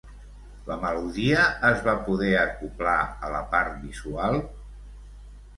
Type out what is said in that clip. La melodia es va poder acoblar a la part visual?